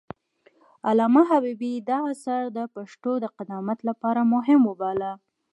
علامه حبيبي دا اثر د پښتو د قدامت لپاره مهم وباله.